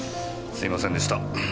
すみませんでした。